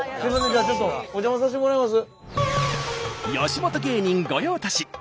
じゃあちょっとお邪魔させてもらいます。